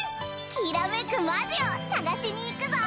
きらめくマジを探しにいくぞ！